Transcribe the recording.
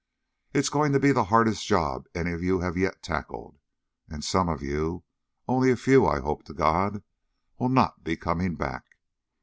"It is going to be the hardest job any of you have yet tackled. And some of you, only a few I hope to God, will not be coming back.